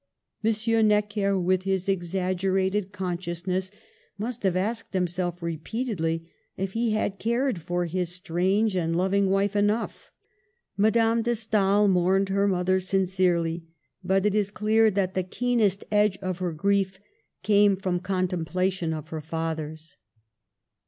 Monsieur Necker, with his exaggerated consciousness, must have asked him self repeatedly if he had cared for his strange and loving wife enough. Madame de Stael mourned her mother sincerely, but it is clear that the keen Digitized by VjOOQIC J6 MADAME DE STAEL est edge of her grief came from cpntemplation of her father's.